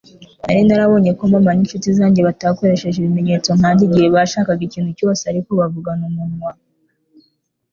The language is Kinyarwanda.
Nari narabonye ko mama n'inshuti zanjye batakoresheje ibimenyetso nkanjye igihe bashakaga ikintu cyose, ariko bavugana umunwa.